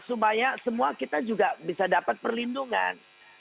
supaya semua kita juga bisa dapat perlindungan